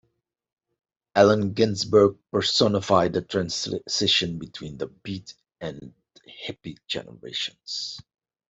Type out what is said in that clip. Allen Ginsberg personified the transition between the beat and hippie generations.